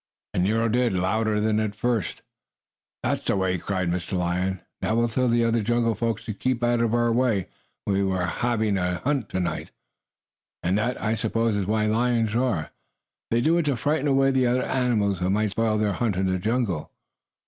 And Nero did, louder than at first. "That's the way!" cried Mr. Lion. "That will tell the other jungle folk to keep out of our way when we are having a night hunt." And that, I suppose, is why lions roar. They do it to frighten away the other animals who might spoil their hunt in the jungle.